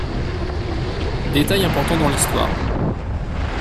Détail important dans l'histoire.